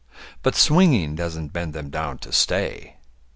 But swinging doesn't bend them down to stay.